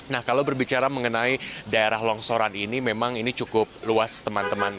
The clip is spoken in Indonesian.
nah kalau berbicara mengenai daerah longsoran ini memang ini cukup luas teman teman